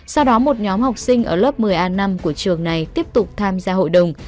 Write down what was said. sau đó một nhóm học sinh ở lớp một mươi a năm của trường này tiếp tục tham gia hội đồng